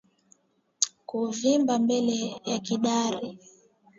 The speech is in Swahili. Kuvimba mbele ya kidari